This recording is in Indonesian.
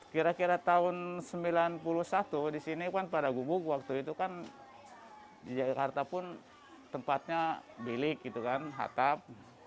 kira kira tahun sembilan puluh satu di sini kan pada gubuk waktu itu kan di jakarta pun tempatnya bilik gitu kan hatap